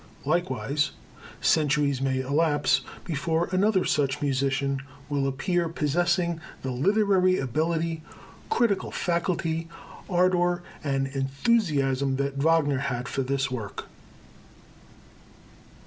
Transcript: Likewise centuries may elapse before another such musician will appear possessing the literary ability, critical faculty, ardor and enthusiasm that Wagner had for this work.